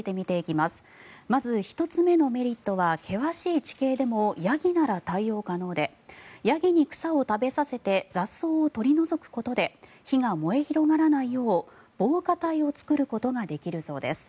まず１つ目のメリットは険しい地形でもヤギなら対応可能でヤギに草を食べさせて雑草を取り除くことで火が燃え広がらないよう防火帯を作ることができるそうです。